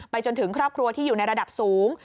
จนถึงครอบครัวที่อยู่ในระดับสูง